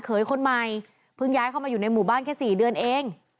คนใหม่เพิ่งย้ายเข้ามาอยู่ในหมู่บ้านแค่๔เดือนเอง